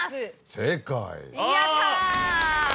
正解。